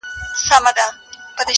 د آتشي غرو د سکروټو د لاوا لوري.